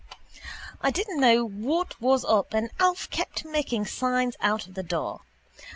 I didn't know what was up and Alf kept making signs out of the door.